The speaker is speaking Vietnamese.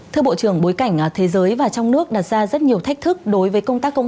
thưa bộ trưởng bối cảnh thế giới và trong nước đặt ra rất nhiều thách thức đối với công tác công